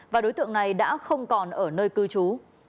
và đối tượng này đã không còn ở nơi cư trú